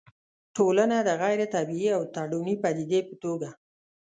ټولنه د غيري طبيعي او تړوني پديدې په توګه